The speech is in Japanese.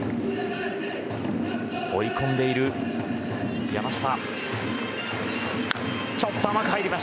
追い込んでいる山下。